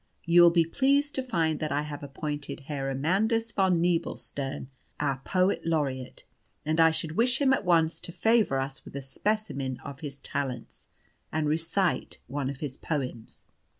You will be pleased to find that I have appointed Herr Amandus von Nebelstern our Poet Laureate, and I should wish him at once to favour us with a specimen of his talents, and recite one of his poems.